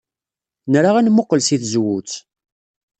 Nra ad nemmuqqel seg tzewwut.